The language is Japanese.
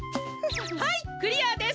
はいクリアです。